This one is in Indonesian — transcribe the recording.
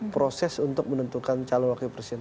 proses untuk menentukan calon wakil presiden